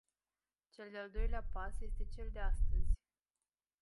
Cel de-al doilea pas este cel de astăzi.